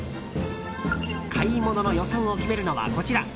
買い物の予算を決めるのはこちら。